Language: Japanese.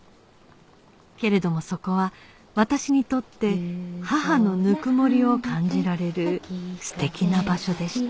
けれどもそこは私にとって母のぬくもりを感じられる素敵な場所でした